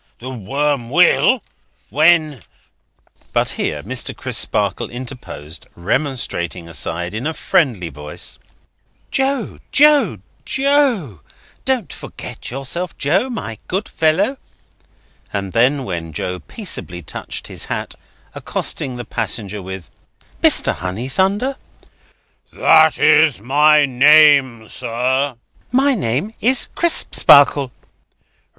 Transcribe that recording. The worm will, when—" But here, Mr. Crisparkle interposed, remonstrating aside, in a friendly voice: "Joe, Joe, Joe! don't forget yourself, Joe, my good fellow!" and then, when Joe peaceably touched his hat, accosting the passenger with: "Mr. Honeythunder?" "That is my name, sir." "My name is Crisparkle."